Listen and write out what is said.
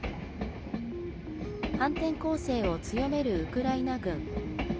反転攻勢を強めるウクライナ軍。